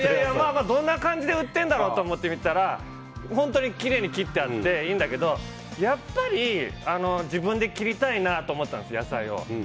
どんな感じで売ってるんだろうって見たら本当にきれいに切ってあっていいんだけどやっぱり、自分で切りたいなと思ったんですよ、野菜を。